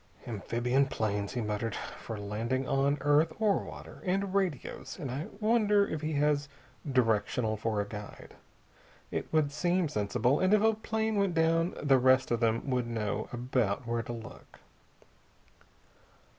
"Amphibian planes," he muttered, "for landing on earth or water. And radios. I wonder if he has directional for a guide? It would seem sensible, and if a plane went down the rest of them would know about where to look."